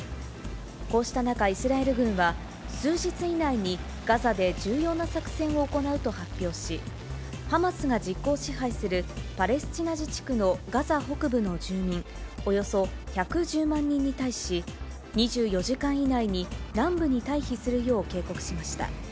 こうした中、イスラエル軍は、数日以内にガザで重要な作戦を行うと発表し、ハマスが実効支配するパレスチナ自治区のガザ北部の住民およそ１１０万人に対し、２４時間以内に南部に退避するよう警告しました。